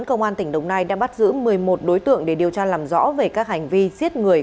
công an tỉnh đồng nai đã bắt giữ một mươi một đối tượng để điều tra làm rõ về các hành vi giết người